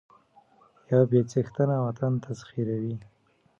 يا بې څښنته وطن تسخيروي